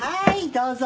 どうぞ！